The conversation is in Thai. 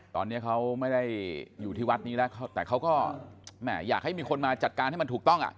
ตอนนี้เขาไม่ได้อยู่ที่วัดนี้แล้วแต่เขาก็แหมอยากให้มีคนมาจัดการให้มันถูกต้องอ่ะ